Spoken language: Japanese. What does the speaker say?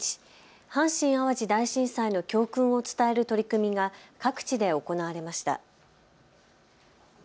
阪神・淡路大震災の教訓を伝える取り組みが各地で行われました。